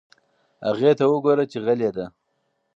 هغې ته وگوره چې غلې ده.